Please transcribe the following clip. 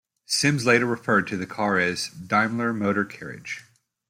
Simms later referred to the car as a "Daimler Motor Carriage".